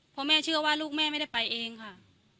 เพราะแม่เชื่อว่าลูกแม่ไม่ได้ไปเองค่ะ